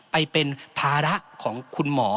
ไปเป็นภาระของคุณหมอ